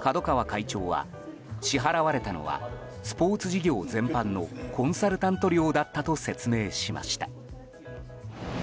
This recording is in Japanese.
角川会長は、支払われたのはスポーツ事業全般のコンサルタント料だったと説明しました。